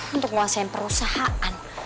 untuk menguasain perusahaan